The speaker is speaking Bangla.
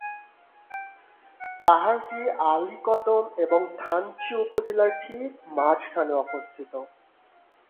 পাহাড়টি আলীকদম এবং থানচি উপজেলার ঠিক মাঝখানে অবস্থিত।